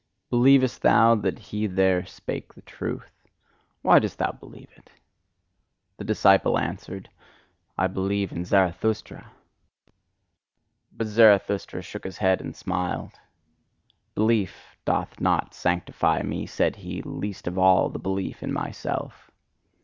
Believest thou that he there spake the truth? Why dost thou believe it?" The disciple answered: "I believe in Zarathustra." But Zarathustra shook his head and smiled. Belief doth not sanctify me, said he, least of all the belief in myself.